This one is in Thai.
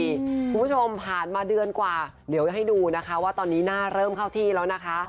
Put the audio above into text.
คุณผู้ชมผ่านมาเดือนกว่าเดี๋ยวให้ดูนะคะว่าตอนนี้หน้าเริ่มเข้าที่แล้วนะคะ